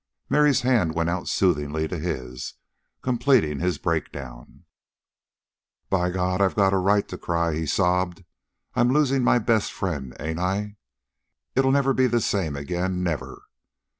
Mary's hand went out soothingly to his, completing his break down. "By God, I got a right to cry," he sobbed. "I'm losin' my best friend, ain't I? It'll never be the same again never.